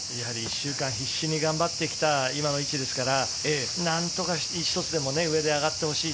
１週間、必死に頑張ってきた今の位置ですから、何とかして１つでも上に上がってほしい